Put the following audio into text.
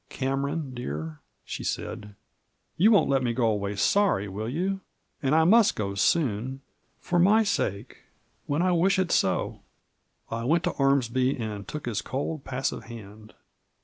"Cameron, dear," she said, "you won't let me go away sorry, will you % and I must go so soon. For my sake, when I wish it so 1 " I went to Ormsby, and took his cold, passive hand.